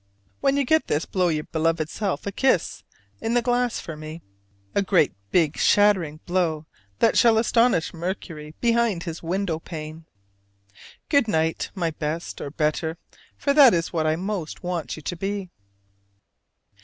When you get this, blow your beloved self a kiss in the glass for me, a great big shattering blow that shall astonish Mercury behind his window pane. Good night, my best or "better," for that is what I most want you to be.